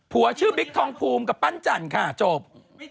ชื่อบิ๊กทองภูมิกับปั้นจันทร์ค่ะจบ